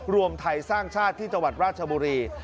รวมไทยสร้างชาติที่จังหวัดราชบุรี